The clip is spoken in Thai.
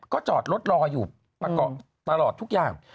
ก็จอดรถรออยู่ตลอดทุกอย่าง